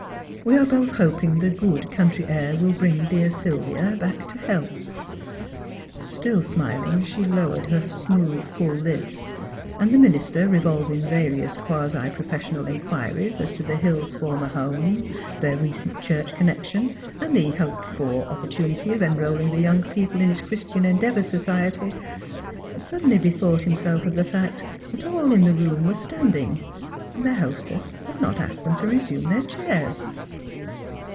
^' We are both hoping the 64 THE HEAET OF PHILURA good country air will bring dear Sylvia back to bealth." Still smiling, she lowered her smooth, full lids ; and the minister, revolving various quasi profes sional inquiries as to the Hills' former home, their recent church connection and the hoped for op portunity of enrolling the young people in his Christian Endeavour Society, suddenly bethought himself of the fact that all in the room were standing and their hostess had not asked them to resume their chairs.